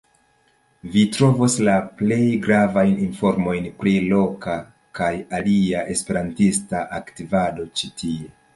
Vi trovos la plej gravajn informojn pri loka kaj alia esperantista aktivado ĉi tie.